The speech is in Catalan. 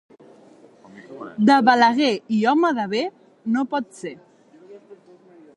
De Balaguer i home de bé, no pot ser.